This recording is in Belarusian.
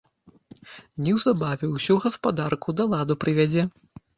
Неўзабаве ўсю гаспадарку да ладу прывядзе.